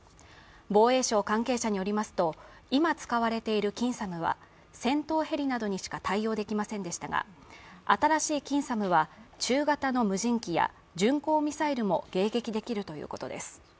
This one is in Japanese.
防衛省関係者によりますと今使われている近ＳＡＭは戦闘ヘリなどにしか対応できませんでしたが、新しい近ＳＡＭは中型の無人機や巡航ミサイルも迎撃できるということです。